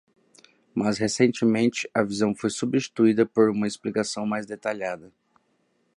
Mas recentemente, a visão foi substituída por uma explicação mais detalhada.